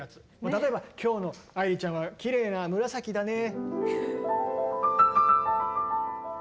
例えば今日の愛理ちゃんはきれいな紫だね。